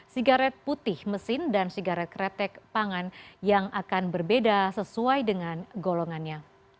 sigaret putih mesin dan sigaret kretek pangan yang akan berbeda sesuai dengan golongannya